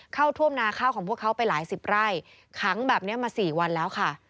เข้าท่วมนาข้าวของพวกเขาไปหลายสิบไร่ขังแบบนี้มา๔วันแล้วค่ะ